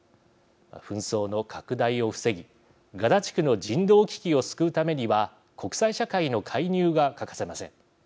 紛争の拡大を防ぎガザ地区の人道危機を救うためには国際社会の介入が欠かせません。